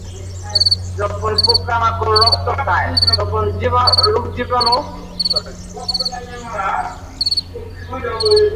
যখন পোকামাকড় রক্ত খায়, তখন রোগজীবাণু অনেক রক্ত প্রবাহে প্রবেশ করে।